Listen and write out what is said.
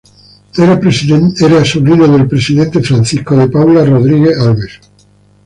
Era sobrino del presidente Francisco de Paula Rodrigues Alves.